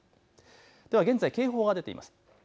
では現在警報が出ています。